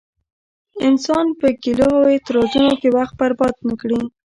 انسان په ګيلو او اعتراضونو کې وخت برباد نه کړي.